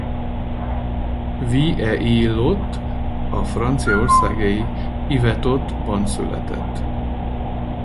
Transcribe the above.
Vieillot a franciaországi Yvetot-ban született.